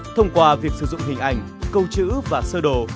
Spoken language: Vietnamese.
thông qua việc sử dụng hình ảnh câu chữ và sơ đồ